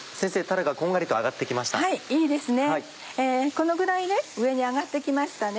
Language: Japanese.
このぐらい上に上がって来ましたね。